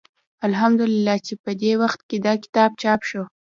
الحمد لله چې په دې وخت کې دا کتاب چاپ شو.